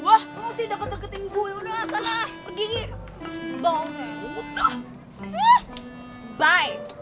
lo sih udah kete ketiin gue udah sana pergi